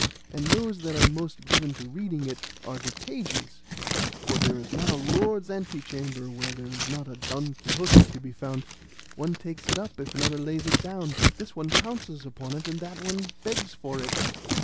And those that are most given to reading it are the pages, for there is not a lord's ante chamber where there is not a 'Don Quixote' to be found; one takes it up if another lays it down; this one pounces upon it, and that begs for it.